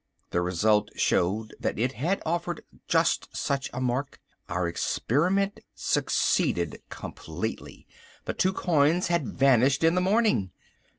The result showed that it had offered just such a mark. Our experiment succeeded completely. The two coins had vanished in the morning.